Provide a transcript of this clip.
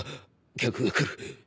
客が来る。